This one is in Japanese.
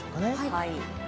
はい。